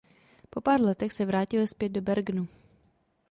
Po pár letech se vrátili zpět do Bergenu.